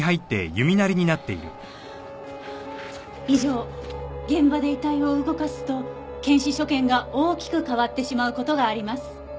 以上現場で遺体を動かすと検視所見が大きく変わってしまう事があります。